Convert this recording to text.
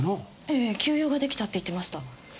ええ急用ができたって言ってました。